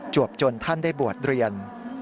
วบจนท่านได้บวชเรียน